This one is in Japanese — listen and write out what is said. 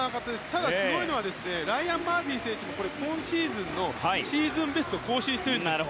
ただすごいのはライアン・マーフィー選手も今シーズンのシーズンベストを更新しているんです。